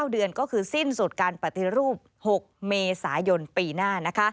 เดือนก็คือสิ้นสุดการปฏิรูป๖เมษายนปีหน้า